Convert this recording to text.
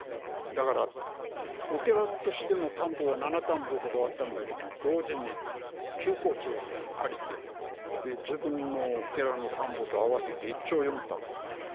だからお寺としての田んぼは７反歩ほどあったんだけど同時に休耕地を借りてで自分の寺の田んぼと合わせて１町４反。